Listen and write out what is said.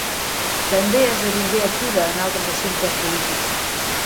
També esdevingué activa en altres assumptes polítics.